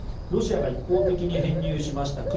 ロシアが一方的に編入しました